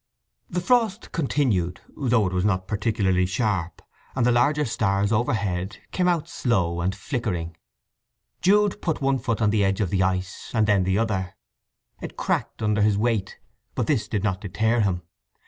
The frost continued, though it was not particularly sharp, and the larger stars overhead came out slow and flickering. Jude put one foot on the edge of the ice, and then the other: it cracked under his weight; but this did not deter him.